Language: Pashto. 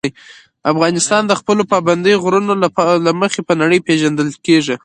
افغانستان د خپلو پابندي غرونو له مخې په نړۍ پېژندل کېږي.